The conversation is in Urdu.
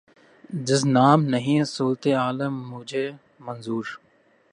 جز نام نہیں صورت عالم مجھے منظور